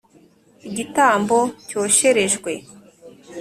Igitambo cyosherejwe.